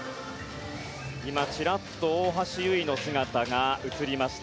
今、ちらっと大橋悠依の姿が映りました。